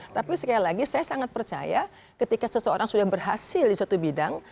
tapi sekali lagi saya sangat percaya ketika seseorang sudah berhasil di suatu bidang